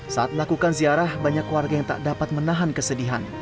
saat melakukan ziarah banyak warga yang tak dapat menahan kesedihan